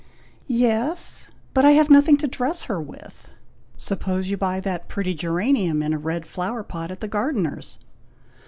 "Yes; but I have nothing to dress her with!" "Suppose you buy that pretty geranium in a red flower pot at the gardener's!"